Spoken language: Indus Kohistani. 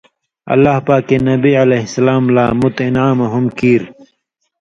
اللہ پاکے نبی علیہ السلام لا مُت اِنعامہ ہُم کیریۡ؛